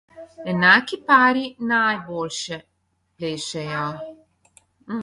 Enaki pari najbolje plešejo.